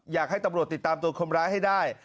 อยากให้ตำรวจติดตามตัวคนร้ายให้ได้